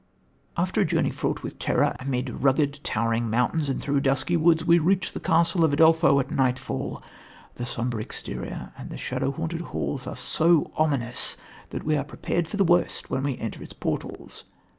After a journey fraught with terror, amid rugged, lowering mountains and through dusky woods, we reach the castle of Udolpho at nightfall. The sombre exterior and the shadow haunted hall are so ominous that we are prepared for the worst when we enter its portals.